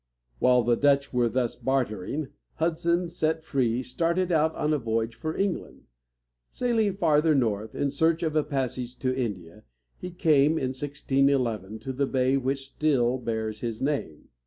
While the Dutch were thus bartering, Hudson, set free, started out on a voyage for England. Sailing farther north, in search of a passage to India, he came, in 1611, to the bay which still bears his name.